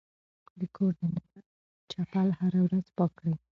د کور دننه چپل هره ورځ پاک کړئ.